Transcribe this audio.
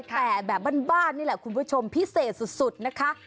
แต่แบบบ้านนี่แหละคุณผู้ชมพิเศษสุดนะคะ